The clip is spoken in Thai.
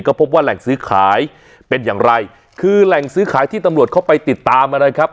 ก็พบว่าแหล่งซื้อขายเป็นอย่างไรคือแหล่งซื้อขายที่ตำรวจเข้าไปติดตามมานะครับ